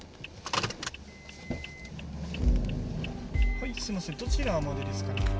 はいすみませんどちらまでですか？